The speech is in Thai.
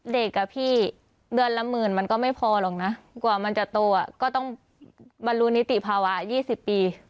พี่เดือนละหมื่นมันก็ไม่พอหรอกนะกว่ามันจะโตก็ต้องบรรลุนิติภาวะ๒๐ปี